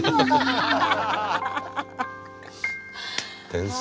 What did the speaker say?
天才！